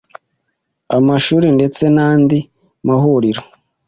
amashuri, ndetse nandi mahuriro